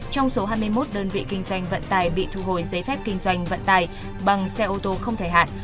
trong số hai mươi một đơn vị kinh doanh vận tải bị thu hồi giấy phép kinh doanh vận tải bằng xe ô tô không thể hạn